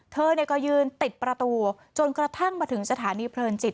เธอก็ยืนติดประตูจนกระทั่งมาถึงสถานีเพลินจิต